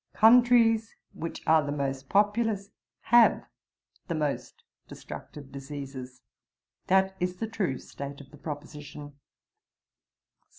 'Countries which are the most populous have the most destructive diseases. That is the true state of the proposition.'